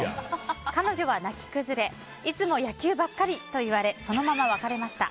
彼女は泣き崩れいつも野球ばかりと言われそのまま別れました。